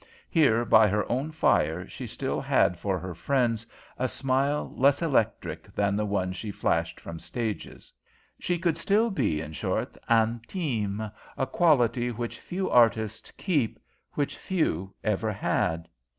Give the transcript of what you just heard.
Here by her own fire she still had for her friends a smile less electric than the one she flashed from stages. She could still be, in short, intime, a quality which few artists keep, which few ever had.